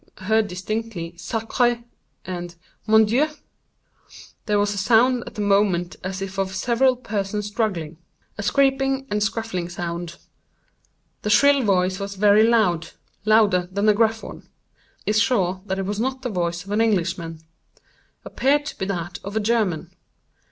Heard distinctly 'sacré' and 'mon Dieu.' There was a sound at the moment as if of several persons struggling—a scraping and scuffling sound. The shrill voice was very loud—louder than the gruff one. Is sure that it was not the voice of an Englishman. Appeared to be that of a German.